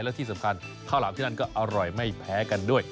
และที่สำคัญข้าวหลามที่นั่นก็อร่อยไม่แพ้กันด้วย